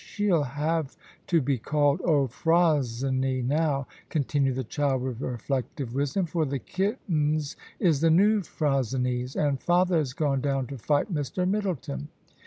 * She'll have to be called Old Phrosyne now,* continued the child with reflective wisdom, ' for the kittens is the new Phrosynes ; and father has gone down to fight Mr. Middleton.'